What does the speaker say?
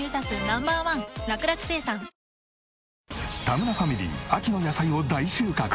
田村ファミリー秋の野菜を大収穫！